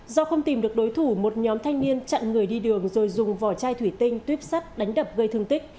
do không tìm được đối thủ một nhóm thanh niên chặn người đi đường rồi dùng vỏ chai thủy tinh tuyếp sắt đánh đập gây thương tích